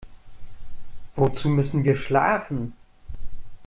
Wozu müssen wir schlafen?